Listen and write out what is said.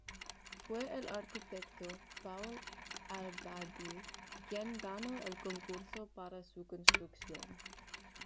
Fue el arquitecto Paul Abadie quien ganó el concurso para su construcción.